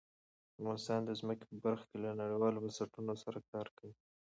افغانستان د ځمکه په برخه کې له نړیوالو بنسټونو سره کار کوي.